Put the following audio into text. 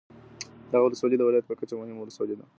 دغه ولسوالي د ولایت په کچه مهمه ولسوالي ده.